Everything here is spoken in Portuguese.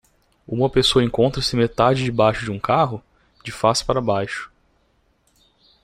Uma pessoa encontra-se metade debaixo de um carro? de face para baixo.